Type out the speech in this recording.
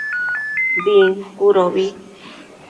Bincudobi